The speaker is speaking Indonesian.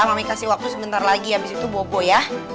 kami kasih waktu sebentar lagi abis itu bobo ya